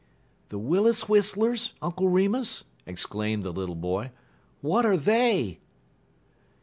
" "The Willis whistlers, Uncle Remus," exclaimed the little boy. "What are they?"